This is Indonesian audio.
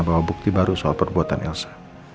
bawa bukti baru soal perbuatan elsa